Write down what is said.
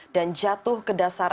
dan jatuh ke dasar